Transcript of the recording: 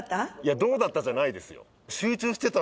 「どうだった？」じゃないですよ